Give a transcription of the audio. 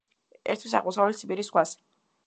ერთვის აღმოსავლეთ ციმბირის ზღვას.